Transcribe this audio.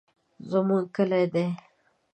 زمونږ کلي دي.